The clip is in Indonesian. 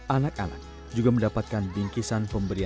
anak anak juga mendapatkan bingkisan pemberian